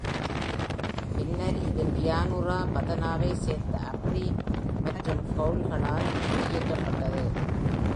பின்னர் இது பியானுரா பதனாவை சேர்ந்த அம்ப்ரி மற்றும் கவுல்களால் குடியேறப்பட்டது.